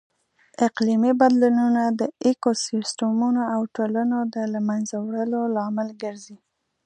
اقلیمي بدلونونه د ایکوسیسټمونو او ټولنو د لهمنځه وړلو لامل ګرځي.